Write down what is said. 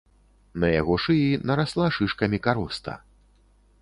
На яго шыі нарасла шышкамі кароста.